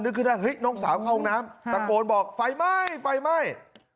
นึกขึ้นได้น้องสาวเข้าห้องน้ำตะโกนบอกฟัยไหม้ฟัยไหม้